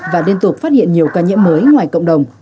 và liên tục phát hiện nhiều ca nhiễm mới ngoài cộng đồng